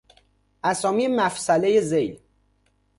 اسامی مفصله ذیل